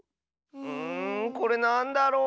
んこれなんだろう？